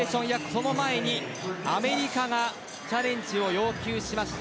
その前にアメリカがチャレンジを要求しました。